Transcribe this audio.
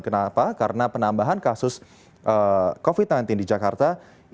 kenapa karena penambahan kasus covid sembilan belas di jakarta